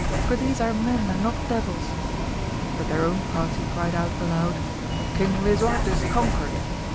for these are men and not devils ! but their own party cried out aloud, King Lisuarte is conquered.